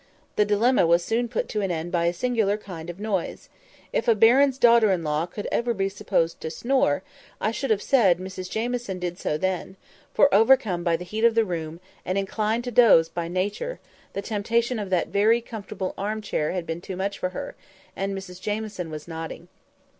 The dilemma was soon put an end to by a singular kind of noise. If a baron's daughter in law could ever be supposed to snore, I should have said Mrs Jamieson did so then; for, overcome by the heat of the room, and inclined to doze by nature, the temptation of that very comfortable arm chair had been too much for her, and Mrs Jamieson was nodding.